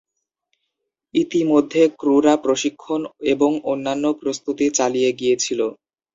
ইতিমধ্যে, ক্রুরা প্রশিক্ষণ এবং অন্যান্য প্রস্তুতি চালিয়ে গিয়েছিল।